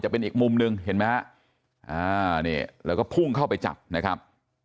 เป็นอีกมุมหนึ่งเห็นไหมฮะอ่านี่แล้วก็พุ่งเข้าไปจับนะครับ